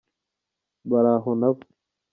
baraho nabo.